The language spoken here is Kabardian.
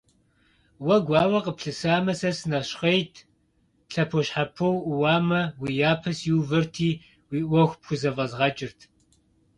Уэ гуауэ къыплъысамэ, сэ сынэщхъейт, лъэпощхьэпо уӀууамэ, уи япэ сиувэрти, уи Ӏуэху пхузэфӀэзгъэкӀырт.